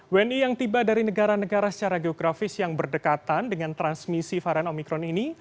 wni yang tiba dari negara negara secara geografis yang berdekatan dengan transmisi varian omikron ini